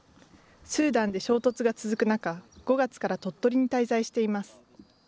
スーダンで衝突が続く中、５月から鳥取に滞在しています。